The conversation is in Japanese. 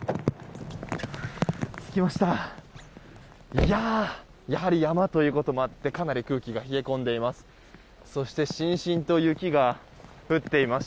いやーやはり山ということもあってかなり空気が冷え込んでいます。